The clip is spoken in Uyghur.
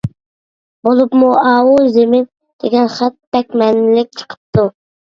بولۇپمۇ ئاۋۇ «زېمىن» دېگەن خەت بەك مەنىلىك چىقىپتۇ.